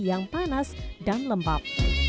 yang panas dan lembab